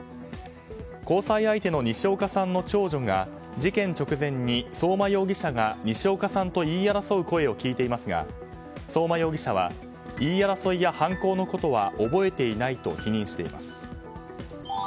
交際相手の西岡さんの長女が事件直前に相馬容疑者が西岡さんと言い争う声を聞いていますが相馬容疑者は言い争いや犯行のことは覚えていないと否認しています。